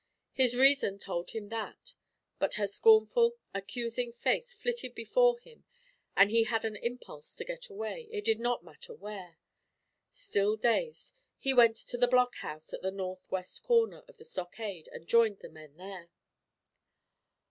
His reason told him that; but her scornful, accusing face flitted before him and he had an impulse to get away it did not matter where. Still dazed, he went to the blockhouse at the north west corner of the stockade and joined the men there.